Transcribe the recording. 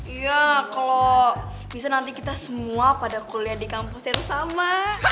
iya kalau bisa nanti kita semua pada kuliah di kampus yang sama